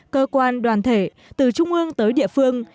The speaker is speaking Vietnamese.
cơ quan đoàn thể từ trung ương tới địa phương